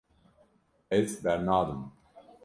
Ez bernadim.